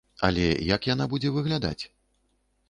Але як яна будзе выглядаць?